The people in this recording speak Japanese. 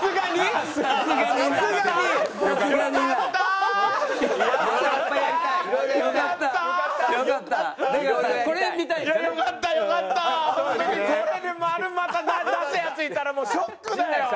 本当にこれで○また出すヤツいたらもうショックだよ。